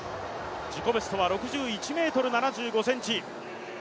自己ベストは６１ｍ７５ｃｍ。